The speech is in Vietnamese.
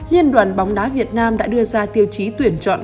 nhân đoàn bóng đá việt nam đã đưa ra tiêu chí tuyển chọn huấn luyện viên chu xie